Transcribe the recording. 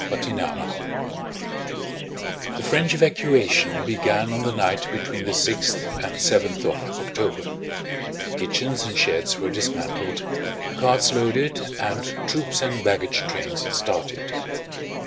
CHAPTER XIII The French evacuation began on the night between the sixth and seventh of October: kitchens and sheds were dismantled, carts loaded, and troops and baggage trains started.